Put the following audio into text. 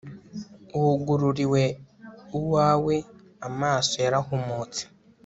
Wugururiwe uwawe Amaso yarahumutse